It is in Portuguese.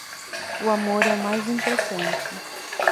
O amor é o mais importante